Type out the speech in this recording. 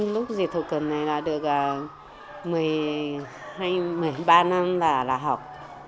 lúc dịch thổ cẩn này được một mươi ba năm là học